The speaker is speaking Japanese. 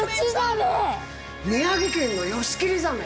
宮城県のヨシキリザメ。